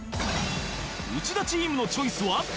内田チームのチョイスは？